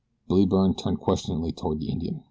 Billy Byrne turned questioningly toward the Indian.